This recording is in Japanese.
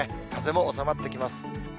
風も収まってきます。